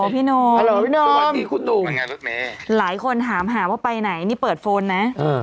สวัสดีคุณหนุ่มหลายคนถามหาว่าไปไหนนี่เปิดโฟนนะ